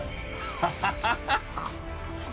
ハハハハハ！